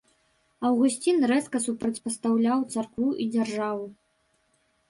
Аўгусцін рэзка супрацьпастаўляў царкву і дзяржаву.